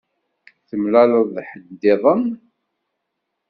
Temlaleḍ-d ḥedd-iḍen?